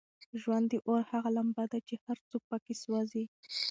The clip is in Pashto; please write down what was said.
ژوند د اور هغه لمبه ده چې هر څوک پکې سوزي.